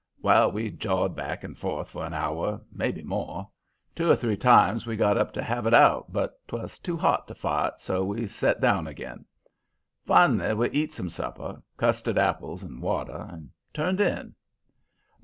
"Well, we jawed back and forth for an hour, maybe more. Two or three times we got up to have it out, but 'twas too hot to fight, so we set down again. Fin'lly we eat some supper, custard apples and water, and turned in.